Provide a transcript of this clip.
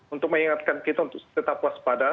untuk mengingatkan kita untuk tetap waspada